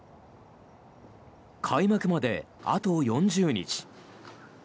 開幕まで、あと４０日。